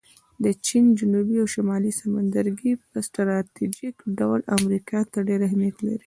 د چین جنوبي او شمالي سمندرګی په سټراټیژیک ډول امریکا ته ډېر اهمیت لري